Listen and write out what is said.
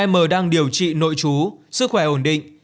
m đang điều trị nội chú sức khỏe ổn định